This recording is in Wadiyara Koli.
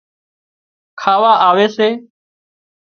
کاواآوي سي